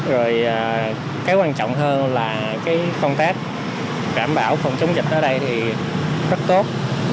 rồi cái quan trọng hơn là cái contact cảm bảo phòng chống dịch ở đây thì rất tốt